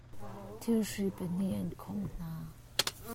Thirhri pahnih an kawmh hna.